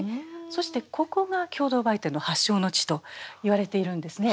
そしてここが共同売店の発祥の地といわれているんですね。